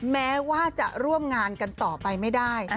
แม้ว่าจะร่วมงานกันต่อไปไม่ได้